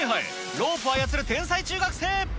ロープを操る天才中学生。